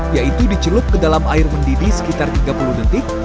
yaitu dicelup ke dalam air mendidih sekitar tiga puluh detik